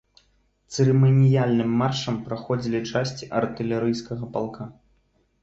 Цырыманіяльным маршам праходзілі часці артылерыйскага палка.